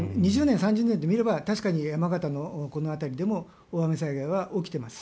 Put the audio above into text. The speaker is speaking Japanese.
２０年、３０年って見れば確かに山形のこの辺りでも大雨災害は起きています。